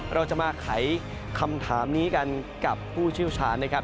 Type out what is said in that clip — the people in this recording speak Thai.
เราจะมาไขคำถามนี้กันกับผู้เชี่ยวชาญนะครับ